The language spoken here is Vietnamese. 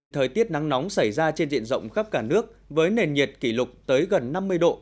thời tiết nắng nóng xảy ra trên diện rộng khắp cả nước với nền nhiệt kỷ lục tới gần năm mươi độ